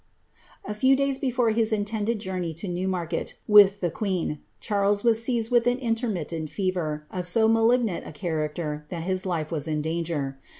A few days before his intended journey to Newmarket with the queen, Charles was seized with an intermittent fever, of so malignant a character that his life was in danger.